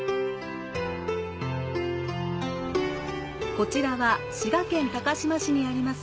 こちらは、滋賀県高島市にあります